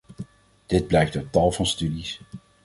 Dit blijkt uit tal van studies.